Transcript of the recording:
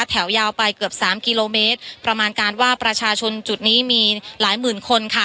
แถวยาวไปเกือบสามกิโลเมตรประมาณการว่าประชาชนจุดนี้มีหลายหมื่นคนค่ะ